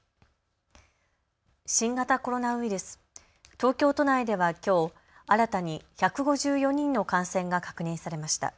新型コロナウイルス、東京都内ではきょう新たに１５４人の感染が確認されました。